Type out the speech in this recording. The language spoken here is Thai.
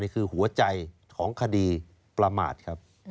คือหัวใจของคดีประมาทครับ